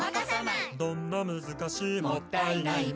「どんな難しいもったいないも」